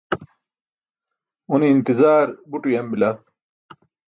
une intizaar buṭ uyam bila